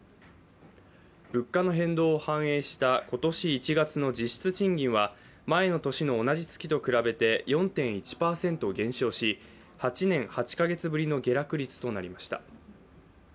物価の変動を反映した今年１月の実質賃金は前の年の同じ月と比べて４．１％減少し８年８か月ぶりの下落率となりました。